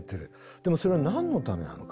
でもそれは何のためなのか？